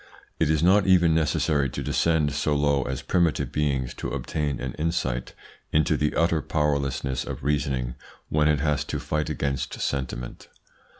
It is not even necessary to descend so low as primitive beings to obtain an insight into the utter powerlessness of reasoning when it has to fight against sentiment.